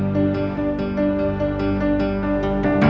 kenapa gak ada yang nganggam ciao